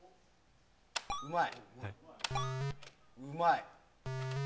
うまい！